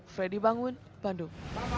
fredy bangun bandung